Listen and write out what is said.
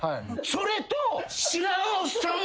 それと。